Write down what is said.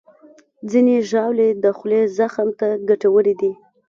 ځینې ژاولې د خولې زخم ته ګټورې دي.